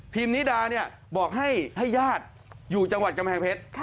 พิมนิดาเนี่ยบอกให้ให้ญาติอยู่จังหวัดกำแผงเพชร